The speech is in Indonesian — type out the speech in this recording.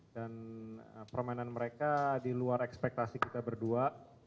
dan permainan mereka di luar ekspektasi kita berdua